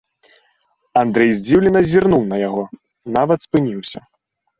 Андрэй здзіўлена зірнуў на яго, нават спыніўся.